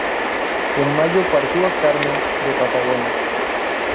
En mayo partió a Carmen de Patagones.